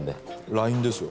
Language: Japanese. ＬＩＮＥですよ。